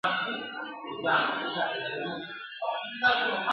موږ کولای سو چي د کتاب له لاري خپل کلتور او ژبه پياوړي وساتو !.